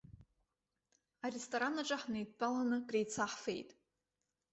Аресторан аҿы ҳнеидтәалан, креицаҳфеит.